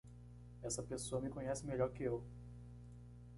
Essa pessoa me conhece melhor que eu.